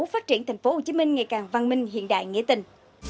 phát triển thành phố hồ chí minh ngày càng văn minh hiện đại nghĩa tình